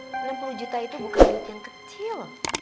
sama haji mugidin enam puluh juta itu bukan duit yang kecil